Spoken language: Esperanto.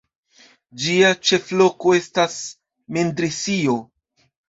Ĝia ĉefloko estas Mendrisio.